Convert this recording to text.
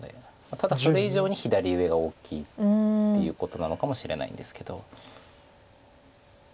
ただそれ以上に左上が大きいっていうことなのかもしれないんですけど。